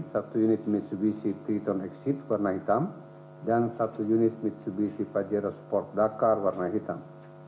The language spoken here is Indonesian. satu unit mitsubishi triton exit warna hitam dan satu unit mitsubishi pajero sport dakar warna hitam